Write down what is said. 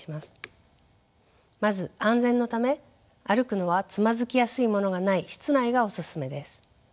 まず安全のため歩くのはつまずきやすいものがない室内がおすすめです。